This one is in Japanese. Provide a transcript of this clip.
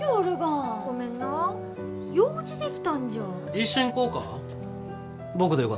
一緒に行こうか？